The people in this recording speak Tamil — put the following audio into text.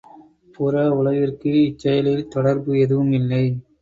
புற உலகிற்கு இச்செயலில் தொடர்பு எதுவும் இல்லை.